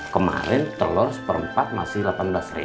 kemarin telur seperempat masih rp delapan belas